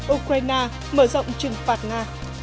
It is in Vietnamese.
ukraine mở rộng trừng phạt nga